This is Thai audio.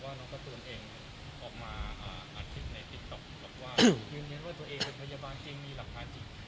อาทิตย์ในติ๊กต๊อกแล้วก็ว่าคือเหมือนว่าตัวเองเป็นพยาบาลจริงมีหลักภาพจริง